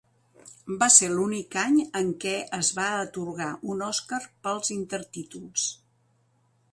Va ser l'únic any en què es va atorgar un Oscar pels intertítols.